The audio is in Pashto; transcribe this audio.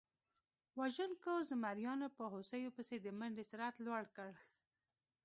وژونکو زمریانو په هوسیو پسې د منډې سرعت لوړ کړ.